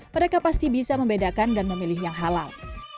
mereka pasti bisa membedakan dan memilih yang halal